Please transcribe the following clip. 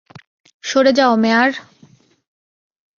সরে যাও, মেয়ার!